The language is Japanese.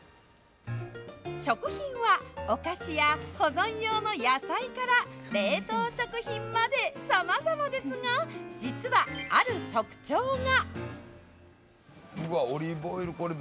食品やお菓子や保存用の野菜から冷凍食品までさまざまですが実は、ある特徴が。